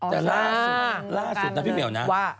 แต่ล่าสุดนาที่เหมียวนะว่า